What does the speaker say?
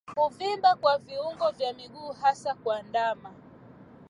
Kuvimba kwa viungio vya miguu hasa kwa ndama